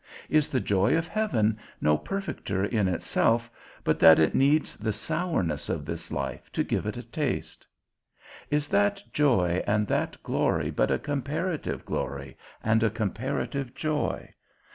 Is the joy of heaven no perfecter in itself, but that it needs the sourness of this life to give it a taste? Is that joy and that glory but a comparative glory and a comparative joy?